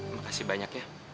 makasih banyak ya